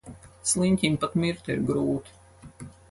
Sliņķim pat mirt ir grūti.